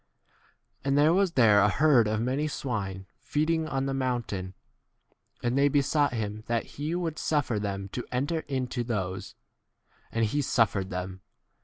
And there was there a herd of many swine feeding on the mountain, and they besought him that he would suffer them to enter into those ; and he 88 suffered them.